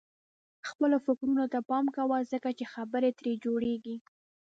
خپلو فکرونو ته پام کوه ځکه چې خبرې ترې جوړيږي.